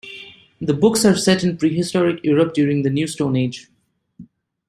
The books are set in prehistoric Europe during the New Stone Age.